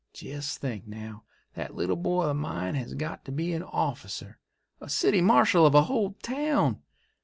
Jest think, now, that little boy of mine has got to be a officer—a city marshal of a whole town!